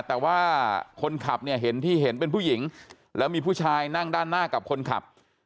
แต่ว่าคนขับเนี่ยเห็นที่เห็นเป็นผู้หญิงแล้วมีผู้ชายนั่งด้านหน้ากับคนขับ